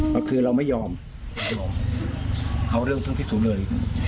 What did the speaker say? ก็คือเราไม่ยอมเอาเรื่องทั้งพิสูจน์เลย